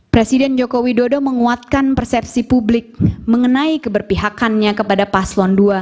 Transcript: presiden joko widodo menguatkan persepsi publik mengenai keberpihakannya kepada paslon dua